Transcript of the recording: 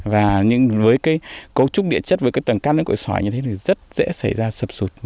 và với cấu trúc địa chất với tầng cát lẫn cội xoài như thế này rất dễ xảy ra sập sụt